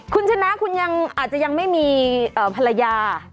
คุณชนะคุณยังอาจจะยังไม่มีภรรยา